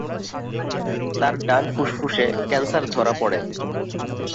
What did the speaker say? তার ডান ফুসফুসে ক্যান্সার ধরা পড়ে।